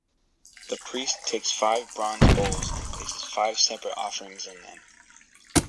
The priest takes five bronze bowls and places five separate offerings in them.